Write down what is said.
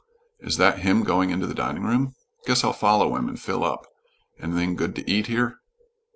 Is that him going into the dining room? Guess I'll follow and fill up. Anything good to eat here?"